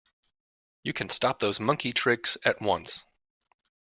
You can stop those monkey tricks at once!